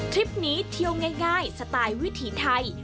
คลิปนี้เที่ยวง่ายสไตล์วิถีไทย